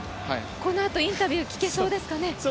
このあとインタビュー聞けそうですかね？